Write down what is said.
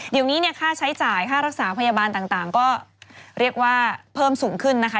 เดี๋ยวนี้เนี่ยค่าใช้จ่ายค่ารักษาพยาบาลต่างก็เรียกว่าเพิ่มสูงขึ้นนะคะ